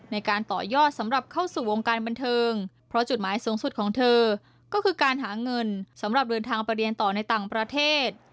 ในการต่อยอดสำหรับเข้าสู่วงการบันเทิงเพราะจุดหมายสูงสุดของเธอก็คือการหาเงินสำหรับเดินทางไปเรียนต่อในต่างประเทศ